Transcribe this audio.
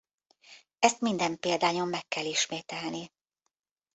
Ezt minden példányon meg kell ismételni.